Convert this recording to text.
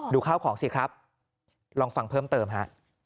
ข้าวของสิครับลองฟังเพิ่มเติมฮะ